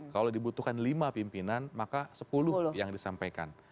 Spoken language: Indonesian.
kalau dibutuhkan lima pimpinan maka sepuluh yang disampaikan